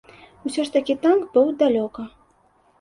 Усё ж такі танк быў далёка.